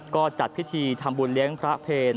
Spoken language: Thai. ก็จัดพิธีทำบุญเลี้ยงพระเพล